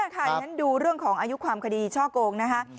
อย่างนั้นดูเรื่องของอายุความคดีช่อโกงนะคะ